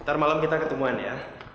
ntar malam kita ketemuan ya